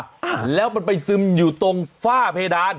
อ่าแล้วมันไปซึมอยู่ตรงฝ้าเพดาน